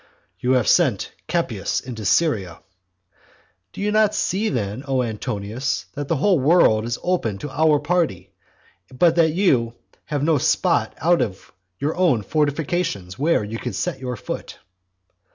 "You have sent Capius into Syria". Do you not see then, O Antonius, that the whole world is open to our party, but that you have no spot out of your own fortifications, where you can set your foot?